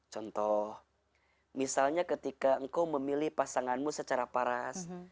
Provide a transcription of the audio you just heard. contoh misalnya ketika engkau memilih pasanganmu secara paras